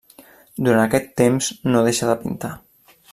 Durant aquest temps no deixa de pintar.